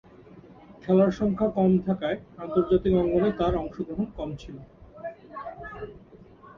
খেলার সংখ্যা কম থাকায় আন্তর্জাতিক অঙ্গনে তার অংশগ্রহণ কম ছিল।